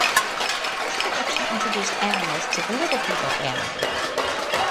This production introduced animals to the Little People family.